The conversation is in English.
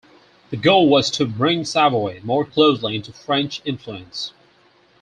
The goal was to bring Savoy more closely into French influence.